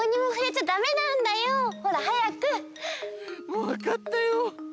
もうわかったよ。